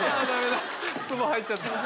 ツボ入っちゃった。